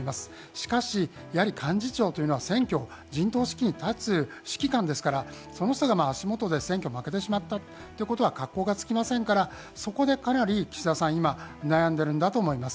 しかし、やはり幹事長というのは選挙の陣頭指揮に立つ指揮官ですからその人が足元で選挙に負けてしまったということは格好がつきませんからそこで岸田さんは悩んでいるんだと思います。